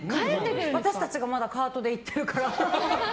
私たちがまだカートで行ってるから。